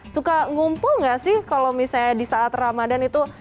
suka ngumpul nggak sih kalau misalnya di saat ramadhan itu